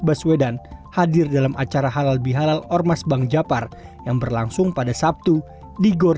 baswedan hadir dalam acara halal bihalal ormas bang japar yang berlangsung pada sabtu di gor